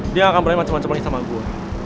dia gak akan pernah macem macem lagi sama gua